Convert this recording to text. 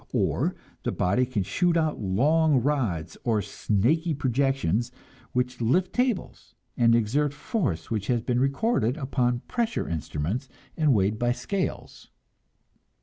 Or the body can shoot out long rods or snaky projections, which lift tables, and exert force which has been recorded upon pressure instruments and weighed by scales.